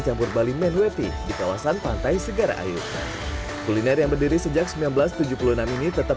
campur bali manweety di kawasan pantai segara ayu kuliner yang berdiri sejak seribu sembilan ratus tujuh puluh enam ini tetap